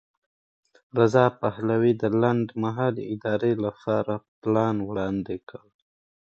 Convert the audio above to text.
رضا پهلوي د لنډمهالې ادارې لپاره پلان وړاندې کړ.